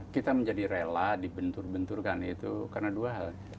kita menjadi rela dibentur benturkan itu karena dua hal